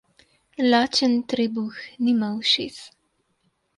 Lačen trebuh nima ušes.